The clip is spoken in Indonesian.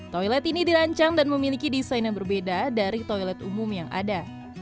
toilet ini dirancang dan memiliki desain yang berbeda dari toilet umum yang ada